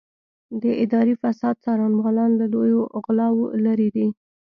د اداري فساد څارنوالان له لویو غلاوو لېرې دي.